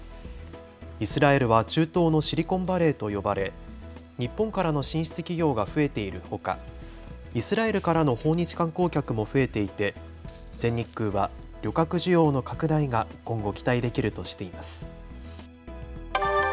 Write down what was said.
イスラエルは中東のシリコンバレーと呼ばれ日本からの進出企業が増えているほかイスラエルからの訪日観光客も増えていて全日空は旅客需要の拡大が今後、期待できるとしています。